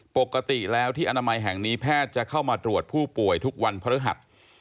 ปกติแล้วที่อนามัยแห่งนี้แพทย์จะเข้ามาตรวจผู้ป่วยทุกวันพฤหัส